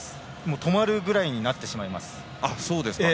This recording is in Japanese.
止まるぐらいになってしまいます。